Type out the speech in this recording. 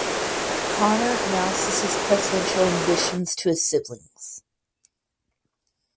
Connor announces his presidential ambitions to his siblings.